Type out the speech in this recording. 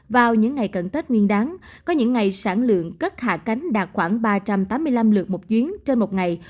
vào những ngày cận tết nguyên đáng có những ngày sản lượng cất hạ cánh đạt khoảng ba trăm tám mươi năm lượt một chuyến trên một ngày